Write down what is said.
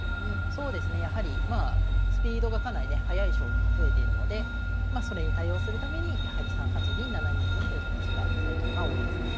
そうですねやはりまあスピードがかなりね速い将棋も増えているのでそれに対応するためにやはり３八銀７二銀という形が最近は多いですね。